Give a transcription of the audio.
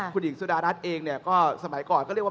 คุณหญิงสุดารัฐเองเนี่ยก็สมัยก่อนก็เรียกว่า